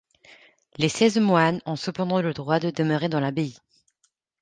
Les seize moines ont cependant le droit de demeurer dans l'abbaye.